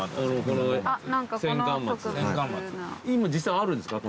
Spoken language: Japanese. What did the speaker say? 今実際あるんですか？